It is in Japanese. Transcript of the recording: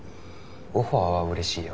オファーはうれしいよ。